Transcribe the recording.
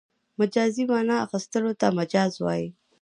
مجازي مانا اخستلو ته مجاز وايي.